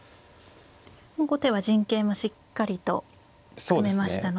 もう後手は陣形もしっかりと組めましたので。